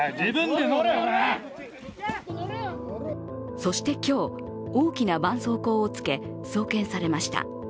そして今日、大きなばんそうこうをつけ、送検されました。